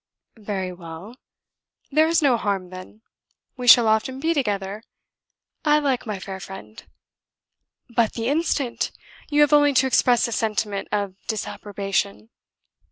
"Very well. There is no harm then. We shall often be together. I like my fair friend. But the instant! you have only to express a sentiment of disapprobation."